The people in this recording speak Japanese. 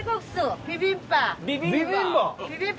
ビビンバ！